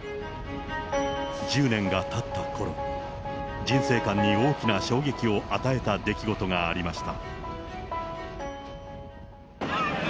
１０年がたったころ、人生観に大きな衝撃を与えた出来事がありました。